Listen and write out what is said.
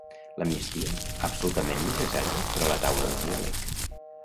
L'amnistia, absolutament necessària per a la taula de diàleg.